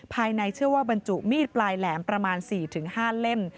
เชื่อว่าบรรจุมีดปลายแหลมประมาณ๔๕เล่ม